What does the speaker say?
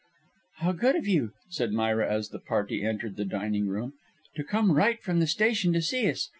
"How good of you," said Myra as the party entered the dining room, "to come right from the station to see us.